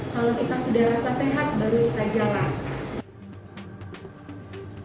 kalau kita sudah rasa sehat baru kita jalan